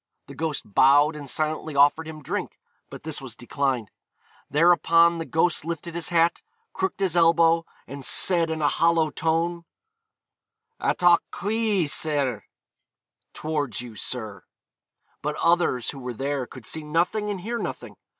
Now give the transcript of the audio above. The ghost bowed and silently offered him drink; but this was declined. Thereupon the ghost lifted his hat, crooked his elbow, and said in a hollow tone, 'Attoch chwi, syr,' (towards you, sir). But others who were there could see nothing and hear nothing.